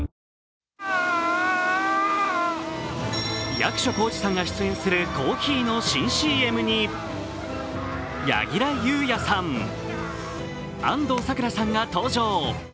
役所広司さんが出演するコーヒーの新ＣＭに柳楽優弥さん、安藤サクラさんが登場。